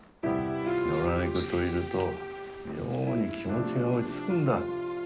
野良猫といると妙に気持ちが落ち着くんだ。